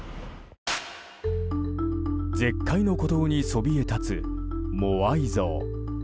絶海の孤島にそびえ立つモアイ像。